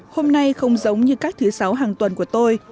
hôm nay không giống như các thứ sáu hàng tuần của tôi